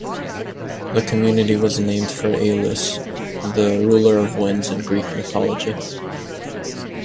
The community was named for Aeolus, the ruler of winds in Greek mythology.